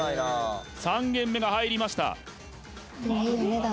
３件目が入りました